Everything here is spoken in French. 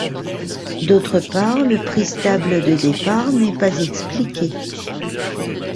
D’autre part le prix stable de départ n’est pas expliqué.